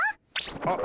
あっ！